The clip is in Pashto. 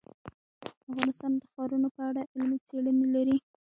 افغانستان د ښارونه په اړه علمي څېړنې لري.